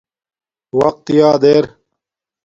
وقت یاد ار